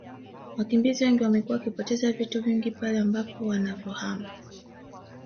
Wakimbizi wengi wamekuwa wakipoteza vitu vingi pale ambapo wanavyohama